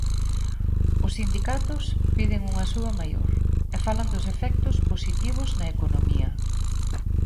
Os sindicatos piden unha suba maior, e falan dos efectos positivos na economía.